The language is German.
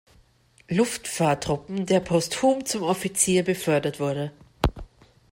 Luftfahrtruppen, der posthum zum Offizier befördert wurde.